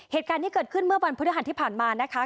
เหตุการณ์ที่เกิดขึ้นเมื่อวันพฤหัสที่ผ่านมานะคะ